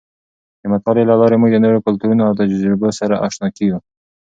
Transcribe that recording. د مطالعې له لارې موږ د نورو کلتورونو او تجربو سره اشنا کېږو.